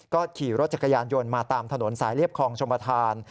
ก็ขี่รถจักรยานยนต์มาตามถนนสายเรียบคลองชมประธาน